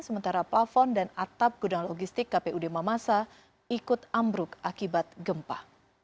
sementara plafon dan atap gudang logistik kpud mamasa ikut ambruk akibat gempa